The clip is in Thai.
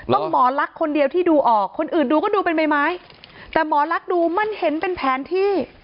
หมอลักษณ์คนเดียวที่ดูออกคนอื่นดูก็ดูเป็นใบไม้แต่หมอลักษณ์ดูมันเห็นเป็นแผนที่